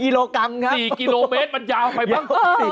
กิโลกรัมครับ๔กิโลเมตรมันยาวไปมั้ง